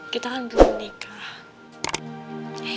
kita kan belum nikah